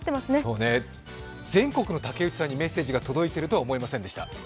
そうね、全国の竹内さんにメッセージが届いてるとは思いませんでした。